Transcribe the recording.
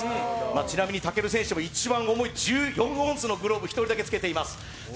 ちなみに武尊選手も一番重い１４オンスのグローブを一人だけつけています。